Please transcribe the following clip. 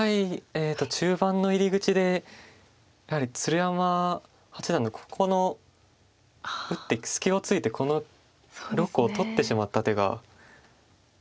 中盤の入り口でやはり鶴山八段のここの打って隙をついてこの６個を取ってしまった手が大きかったかなと。